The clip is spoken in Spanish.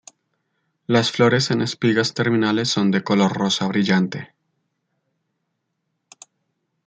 Las flores en espigas terminales, son de color rosa brillante.